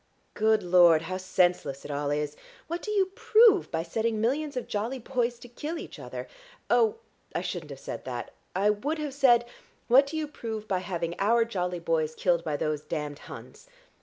Good Lord, how senseless it all is! What do you prove by setting millions of jolly boys to kill each other? Oh, I shouldn't have said that; I would have said, 'What do you prove by having our jolly boys killed by those damned Huns?'